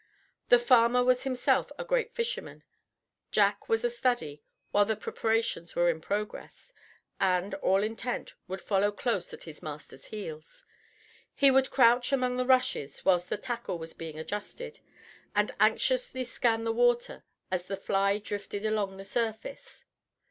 The farmer was himself a great fisherman. Jack was a study while the preparations were in progress, and, all intent, would follow close at his master's heels. He would crouch among the rushes whilst the tackle was being adjusted, and anxiously scan the water as the fly drifted along the surface.